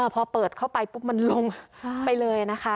พอเปิดเข้าไปปุ๊บมันลงไปเลยนะคะ